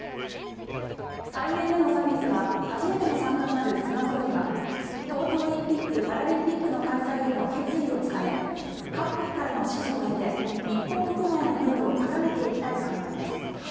対面でのサミットは初めての参加となる菅総理は東京オリンピック・パラリンピックの開催への決意を伝え各国からの支持を得て日本国内のムードを高めていきたい考えです。